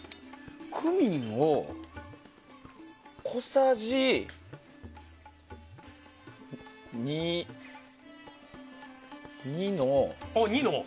クミンを小さじ２の。